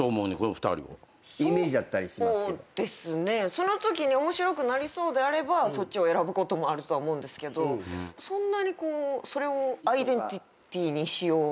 そのときに面白くなりそうであればそっちを選ぶこともあるとは思うんですけどそんなにそれをアイデンティティーにしようとかは。